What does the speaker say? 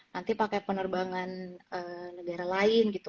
nanti pakai penerbangan negara lain gitu